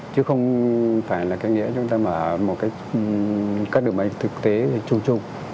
chứ không phải là cái nghĩa chúng ta mở một các đường bay thực tế chung chung